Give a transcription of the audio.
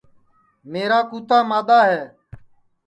میرا کُوتا مادؔاہے